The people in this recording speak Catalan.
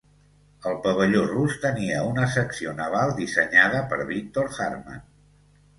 El pavelló rus tenia una secció naval dissenyada per Viktor Hartmann.